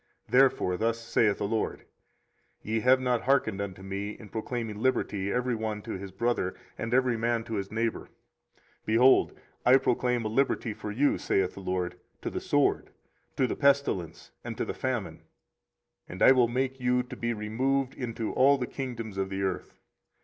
24:034:017 Therefore thus saith the LORD; Ye have not hearkened unto me, in proclaiming liberty, every one to his brother, and every man to his neighbour: behold, I proclaim a liberty for you, saith the LORD, to the sword, to the pestilence, and to the famine; and I will make you to be removed into all the kingdoms of the earth.